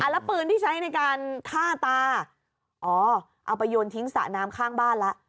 แล้วปืนที่ใช้ในการฆ่าตาอ๋อเอาไปโยนทิ้งสระน้ำข้างบ้านแล้ว